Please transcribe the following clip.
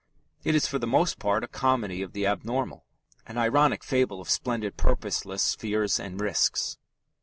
It is for the most part a comedy of the abnormal an ironic fable of splendid purposeless fears and risks.